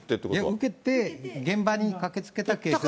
受けて、現場に駆けつけた警察官。